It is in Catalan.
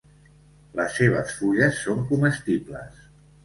Les seves fulles són comestibles.